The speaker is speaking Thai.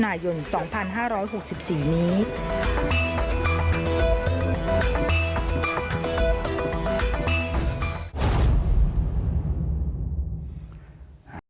หากยังจับคุมตัวไม่ได้จะอ่านคำพิพากษาลับหลัง